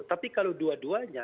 tapi kalau dua duanya